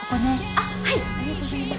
あっはいありがとうございます。